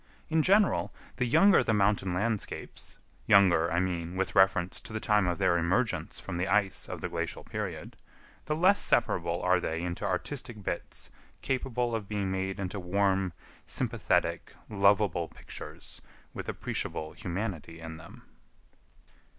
In general, the younger the mountain landscapes,—younger, I mean, with reference to the time of their emergence from the ice of the glacial period,—the less separable are they into artistic bits capable of being made into warm, sympathetic, lovable pictures with appreciable humanity in them.